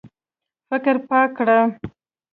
فکر پاک کړه.